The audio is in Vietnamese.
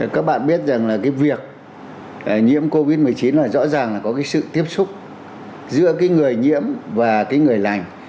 các bạn biết rằng là cái việc nhiễm covid một mươi chín là rõ ràng là có cái sự tiếp xúc giữa cái người nhiễm và cái người lành